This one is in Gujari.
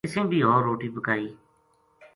اِسیں بھی ہور روٹی پکائی